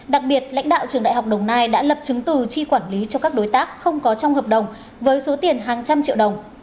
đặc biệt lãnh đạo trường đại học đồng nai đã lập chứng từ chi quản lý cho các đối tác không có trong hợp đồng với số tiền hàng trăm triệu đồng